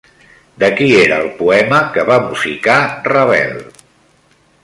De qui era el poema que va musicar Ravel?